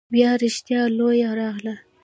بیا رښتیا لیوه راغی.